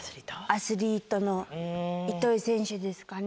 アスリートの糸井選手ですかね。